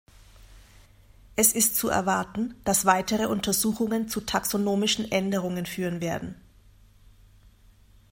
Es ist zu erwarten, dass weitere Untersuchungen zu taxonomischen Änderungen führen werden.